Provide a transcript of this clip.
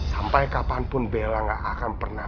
sampai kapanpun bella gak akan pernah